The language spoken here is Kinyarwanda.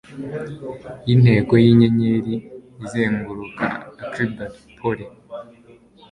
yintego yinyenyeri izenguruka acerb pole